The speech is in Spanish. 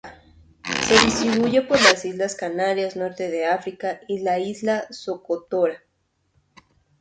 Se distribuyen por las islas Canarias, norte de África y la isla Socotora.